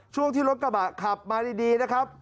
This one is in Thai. ช่วงที่รถกระบะขับมาดีนะครับ